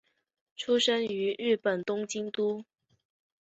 出身于日本东京都。